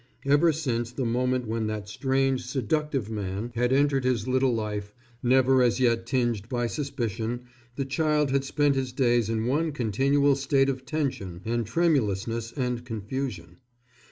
Ever since the moment when that strange, seductive man had entered his little life, never as yet tinged by suspicion, the child had spent his days in one continual state of tension and tremulousness and confusion.